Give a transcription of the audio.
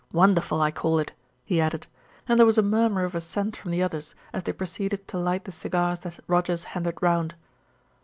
Wonderful, I call it," he added, and there was a murmur of assent from the others, as they proceeded to light the cigars that Rogers handed round.